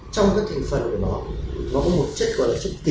trong các thành phần của nó có một chất gọi là chất tịch độc